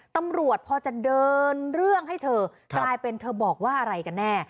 ตำรวจพอจะเดินเรื่องให้เธอกลายเป็นเธอบอกว่าอะไรกันแน่